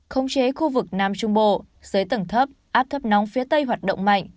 không chế khu vực nam trung bộ dưới tầng thấp áp thấp nóng phía tây hoạt động mạnh